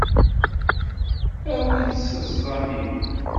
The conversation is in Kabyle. Awi-d ṭṭezḍam-im.